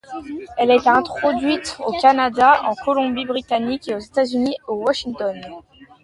Elle a été introduite au Canada en Colombie-Britannique et aux États-Unis au Washington.